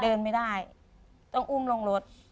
เดินไม่ได้ต้องอุ้มลงรถ